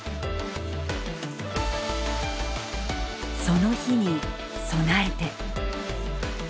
「その日」に備えて。